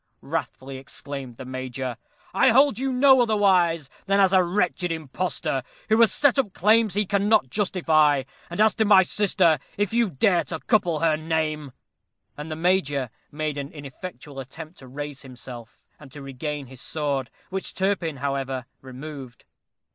wrathfully exclaimed the Major. "I hold you no otherwise than as a wretched impostor, who has set up claims he cannot justify; and as to my sister, if you dare to couple her name " and the Major made an ineffectual attempt to raise himself, and to regain his sword, which Turpin, however, removed.